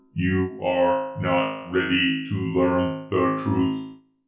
You are not ready to learn the truth.